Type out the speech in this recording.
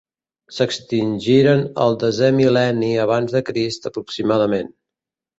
S'extingiren el desè mil·lenni abans de Crist aproximadament.